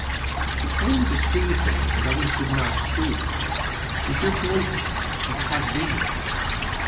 He claimed to see things that others did not see, to hear voices, and to have visions.